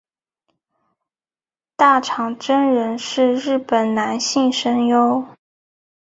大场真人是日本男性声优。